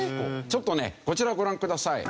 ちょっとねこちらをご覧ください。